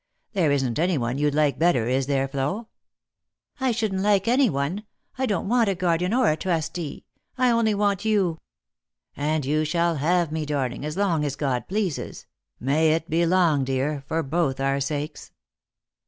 There isn't any one you'd like better, is there, Flo?" "I shouldn't like any one. I don't want a guardian or a trustee ; I only want you." " And you shall have me, darling, as long as God pleases. May it be long, dear, for both our sakes